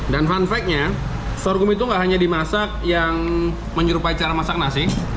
dan fun fact nya sorghum itu tidak hanya dimasak yang menyerupai cara masak nasi